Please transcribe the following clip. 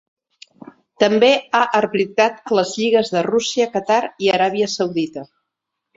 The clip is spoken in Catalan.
També ha arbitrat a les lligues de Rússia, Qatar i Aràbia Saudita.